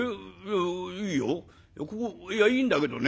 ここいやいいんだけどね